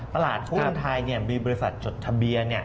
ตลาดหุ้นไทยมีบริษัทจดทะเบียน